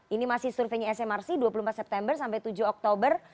ini masih surveinya smrc dua puluh empat september sampai tujuh oktober